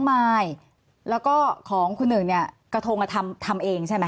มายแล้วก็ของคุณหนึ่งเนี่ยกระทงทำเองใช่ไหม